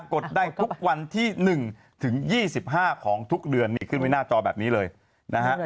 กดได้ทุกวันที่๑ถึง๒๕ของทุกเดือนนี่ขึ้นไว้หน้าจอแบบนี้เลยนะฮะ